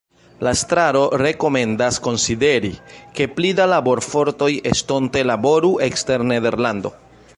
La estraro rekomendas konsideri, ke pli da laborfortoj estonte laboru ekster Nederlando.